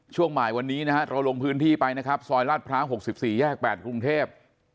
ช่วงบ่ายวันนี้นะฮะเราลงพื้นที่ไปนะครับซอยลาดพร้าว๖๔แยก๘กรุงเทพ